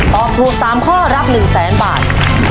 ตอบถูก๓ข้อรับ๑๐๐๐๐๐บาท